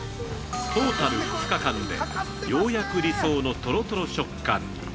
トータル２日間で、ようやく理想のトロトロ食感に。